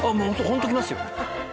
ホント来ますよ。